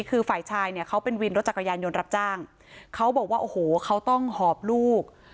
คือฝ่ายชายเนี่ยเขาเป็นวินรถจักรยานยนต์รับจ้างเขาบอกว่าโอ้โหเขาต้องหอบลูก